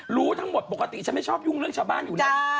หรือต้องปลบมือให้